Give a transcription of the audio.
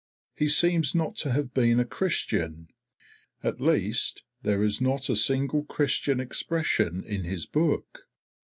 He seems not to have been a Christian; at least there is not a single Christian expression in his book.